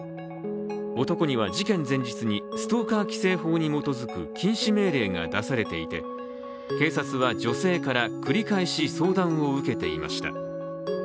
男には事件前日に、ストーカー規制法に基づく禁止命令が出されていて警察は女性から繰り返し相談を受けていました。